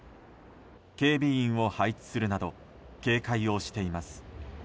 警備員を配置するなど警戒をしています。